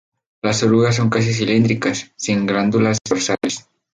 Las orugas son casi cilíndricas, sin glándulas dorsales.